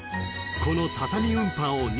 ［この］